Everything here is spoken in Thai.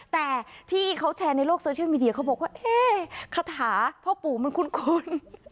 แต่ที่เขาแชร์ในโลกโซเชียลมีเดียเขาบอกว่าเอ๊ะคาถาพ่อปู่มันคุ้น